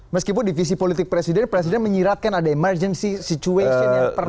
meskipun divisi politik presiden presiden menyiratkan ada emergensi situasi yang perlu kita